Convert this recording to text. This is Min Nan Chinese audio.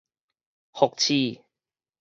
複試